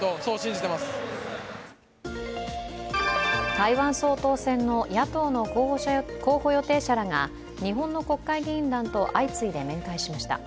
台湾総統選の野党の候補予定者らが日本の国会議員団と相次いで面会しました。